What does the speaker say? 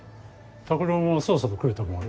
拓郎もそろそろ来ると思うよ。